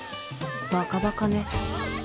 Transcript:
バカバカね。